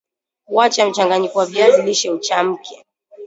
wacha mchanganyiko wa viazi lishe uchamke